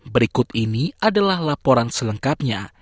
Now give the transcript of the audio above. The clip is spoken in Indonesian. berikut ini adalah laporan selengkapnya